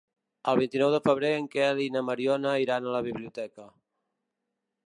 El vint-i-nou de febrer en Quel i na Mariona iran a la biblioteca.